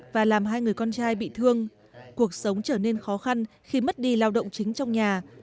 và làm hai người con trai bị thương cuộc sống trở nên khó khăn khi mất đi lao động chính trong nhà